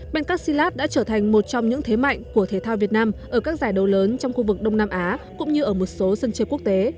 bencastilat đã trở thành một trong những thế mạnh của thể thao việt nam ở các giải đấu lớn trong khu vực đông nam á cũng như ở một số sân chơi quốc tế